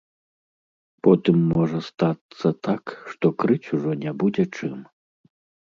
Потым можа стацца так, што крыць ужо не будзе чым.